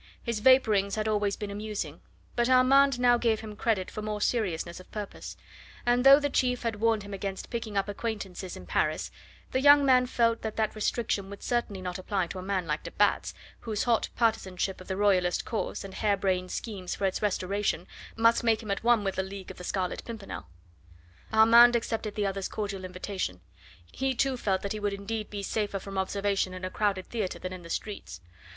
His vapourings had always been amusing, but Armand now gave him credit for more seriousness of purpose; and though the chief had warned him against picking up acquaintances in Paris, the young man felt that that restriction would certainly not apply to a man like de Batz, whose hot partisanship of the Royalist cause and hare brained schemes for its restoration must make him at one with the League of the Scarlet Pimpernel. Armand accepted the other's cordial invitation. He, too, felt that he would indeed be safer from observation in a crowded theatre than in the streets.